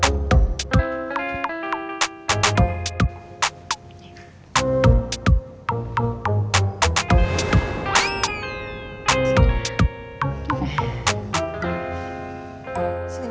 biasa aja jangan berlaku sayang